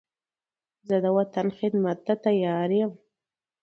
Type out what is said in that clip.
زه د وطن خدمت ته تیار یم.